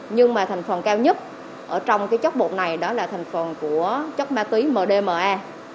nhưng mà thành phần cao nhất trong chất bột này là thành phần của chất ma túy mdma